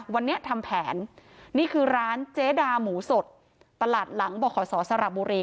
วันนี้ทำแผนนี่คือร้านเจดาหมูสดตลาดหลังบขศสระบุรี